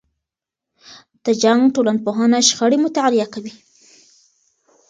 د جنګ ټولنپوهنه شخړې مطالعه کوي.